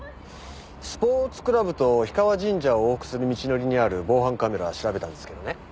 スポーツクラブと氷川神社を往復する道のりにある防犯カメラ調べたんですけどね。